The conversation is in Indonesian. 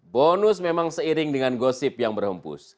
bonus memang seiring dengan gosip yang berhempus